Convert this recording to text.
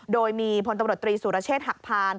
โดยมีพลตำรวจตรีสุรเชษฐหักพาน